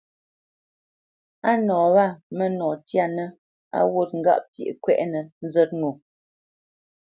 Á nǒ nɔ wâ mə́nɔ tyanə̄ á wǔt ŋgâʼ pyeʼ kwɛ́ʼnə nzə̂t ŋo.